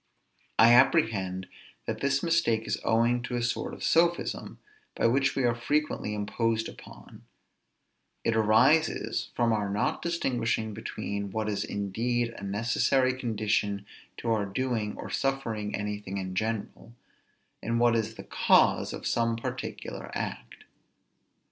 I apprehend that this mistake is owing to a sort of sophism, by which we are frequently imposed upon; it arises from our not distinguishing between what is indeed a necessary condition to our doing or suffering anything in general, and what is the cause of some particular act.